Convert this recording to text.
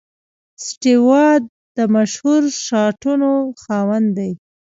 سټیو وا د مشهور شاټسونو خاوند دئ.